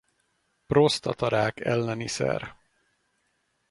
Prosztatarák elleni szer.